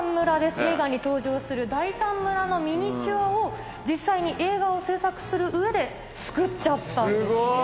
映画に登場する第３村のミニチュアを実際に映画を製作する上で作っちゃたんですね。